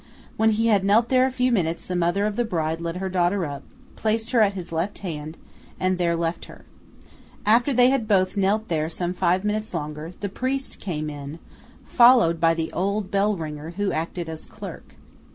When he had knelt there a few minutes, the mother of the bride led her daughter up, placed her at his left hand, and there left her. After they had both knelt there some five minutes longer, the priest came in, followed by the old bellringer, who acted as clerk.